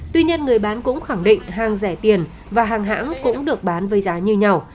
tuy nhiên người bán cũng khẳng định hàng rẻ tiền và hàng hãng cũng được bán với giá như nhỏ